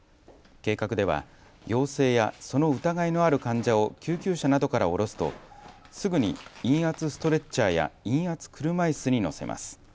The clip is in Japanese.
計画では陽性やその疑いのある患者を救急車などから降ろすとすぐに陰圧ストレッチャーや陰圧車いすに乗せます。